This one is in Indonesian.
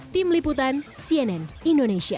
tim liputan cnn indonesia